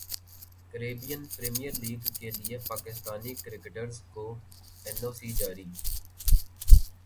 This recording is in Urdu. کیریبیئن پریمیئر لیگ کیلئے پاکستانی کرکٹرز کو این او سی جاری